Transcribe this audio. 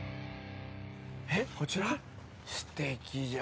えっこちら？